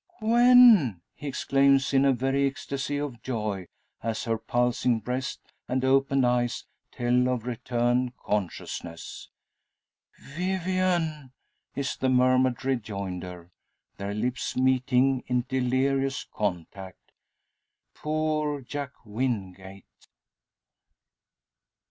"Gwen!" he exclaims, in a very ecstasy of joy, as her pulsing breast and opened eyes tell of returned consciousness. "Vivian!" is the murmured rejoinder, their lips meeting in delirious contact. Poor Jack Wingate!